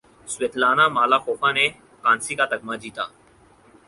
Svetlana مالاخوفا نے کانسی کا تمغہ جیتا